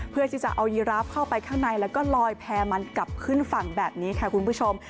เพื่อที่จะเอายีราฟเข้าไปข้างในแล้วก็ลอยแพร่มันกลับขึ้นฝั่งแบบนี้ค่ะคุณผู้ชม